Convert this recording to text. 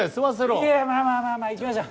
いやまあまあまあまあ行きましょう。